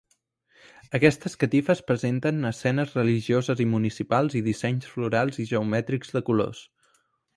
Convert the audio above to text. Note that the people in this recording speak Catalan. Aquestes catifes presenten escenes religioses i municipals i dissenys florals i geomètrics de colors.